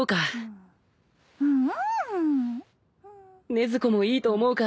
禰豆子もいいと思うか。